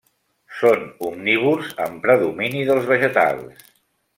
Són omnívors amb predomini dels vegetals.